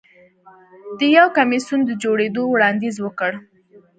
ده د یو کمېسیون د جوړېدو وړاندیز وکړ